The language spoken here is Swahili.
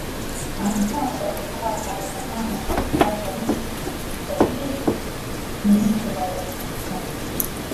anasema mashauri hayo hayajamfanya awe tajiriMimi si tajiri ni mtu wa kawaida Kazi